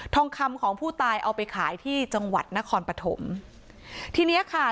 ทองคำของผู้ตายเอาไปขายที่จังหวัดนครปฐมทีเนี้ยค่ะ